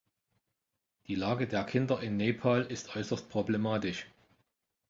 Die Lage der Kinder in Nepal ist äußerst problematisch.